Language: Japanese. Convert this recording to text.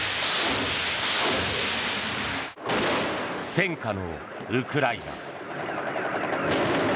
戦禍のウクライナ。